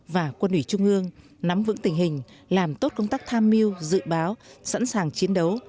và quân ủy trung ương nắm vững tình hình làm tốt công tác tham mưu dự báo sẵn sàng chiến đấu